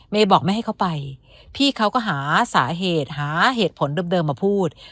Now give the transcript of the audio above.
บอกไม่ให้เขาไปพี่เขาก็หาสาเหตุหาเหตุผลเดิมมาพูด